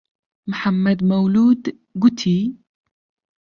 محەممەد مەولوود گوتی: